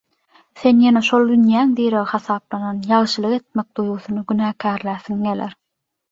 Sen ýene şol dünýäň diregi hasaplan ýagşylyk etmek duýgusyny günäkärläsiň geler.